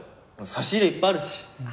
差し入れいっぱいあるし。